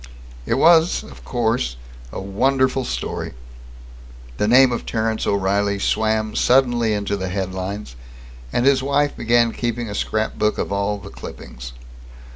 It was, of course, a wonderful story. The name of Terence O'Reilly swam suddenly into the headlines, and his wife began keeping a scrapbook of all the clippings.